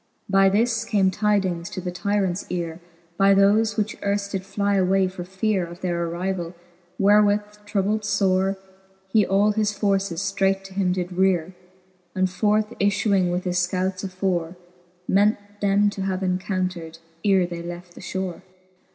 By this came tydings to the tyrants eare By thofe, which earft did fly away for feare Of their arrivall : wherewith troubled fore, He all his forces ftreight to him did reare, And forth ifluing with his fcouts afore, Meant them to have incountred, ere they left the fhore.